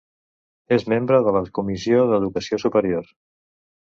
És membre de la Comissió d'Educació Superior.